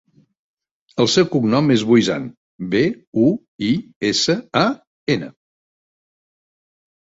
El seu cognom és Buisan: be, u, i, essa, a, ena.